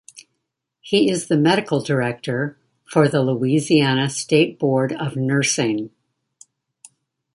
He is the medical director for the Louisiana State Board of Nursing.